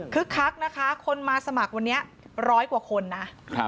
คักนะคะคนมาสมัครวันนี้ร้อยกว่าคนนะ